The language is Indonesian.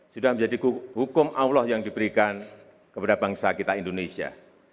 sudah menjadi hukum allah yang diberikan kepada bangsa kita indonesia